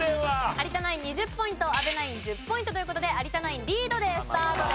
有田ナイン２０ポイント阿部ナイン１０ポイントという事で有田ナインリードでスタートです。